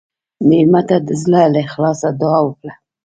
مېلمه ته د زړه له اخلاصه دعا وکړه.